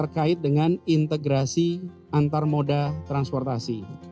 terkait dengan integrasi antar moda transportasi